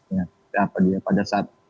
ya kenapa dia pada saat